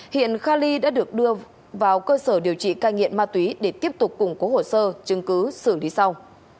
hiện khal ly đã được đưa vào cơ sở điều trị cai nghiện ma túy để tiếp tục củng cố hồ sơ chứng cứ xử lý sau